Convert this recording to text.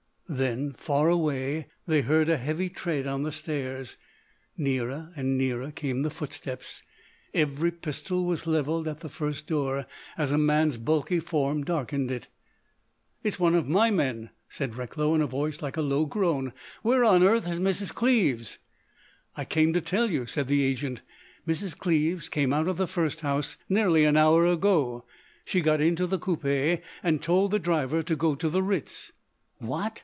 Then, far away, they heard a heavy tread on the stairs. Nearer and nearer came the footsteps. Every pistol was levelled at the first door as a man's bulky form darkened it. "It's one of my men," said Recklow in a voice like a low groan. "Where on earth is Mrs. Cleves?" "I came to tell you," said the agent, "Mrs. Cleves came out of the first house nearly an hour ago. She got into the coupé and told the driver to go to the Ritz." "What!"